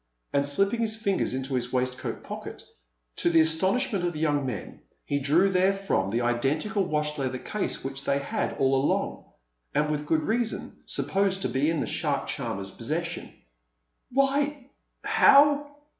And slipping his fingers into his waistcoat pocket, to the astonishment of the young men he drew therefrom the identical wash leather case which they had all along, and with good reason, supposed to be in the shark charmer's possession. "Why how